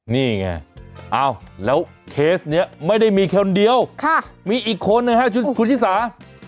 นี่ไงแล้วเคสนี้ไม่ได้มีคนเดียวมีอีกคนนะครับคุณชิสา